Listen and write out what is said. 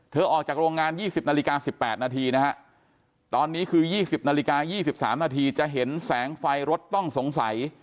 ออกจากโรงงาน๒๐นาฬิกา๑๘นาทีนะฮะตอนนี้คือ๒๐นาฬิกา๒๓นาทีจะเห็นแสงไฟรถต้องสงสัย